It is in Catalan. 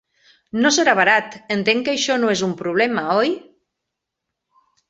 No serà barat; entenc que això no és un problema, oi?